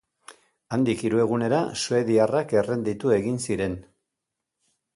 Handik hiru egunera suediarrak errenditu egin ziren.